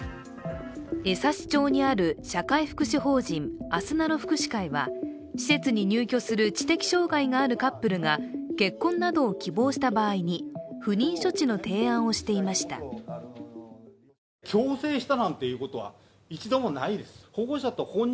江差町にある社会福祉法人、あすなろ福祉会は施設に入居する知的障害があるカップルが結婚などを希望した場合に不妊処置の提案をしていました。